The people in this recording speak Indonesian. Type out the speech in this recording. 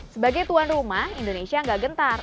sebagai tuan rumah indonesia gak gental